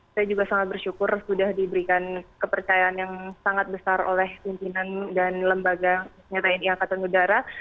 saya juga sangat bersyukur sudah diberikan kepercayaan yang sangat besar oleh pimpinan dan lembaga tni angkatan udara